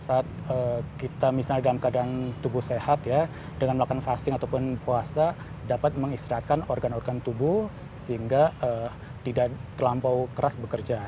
saat kita misalnya dalam keadaan tubuh sehat ya dengan melakukan fasting ataupun puasa dapat mengistirahatkan organ organ tubuh sehingga tidak terlampau keras bekerja